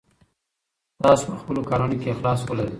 تاسو په خپلو کارونو کې اخلاص ولرئ.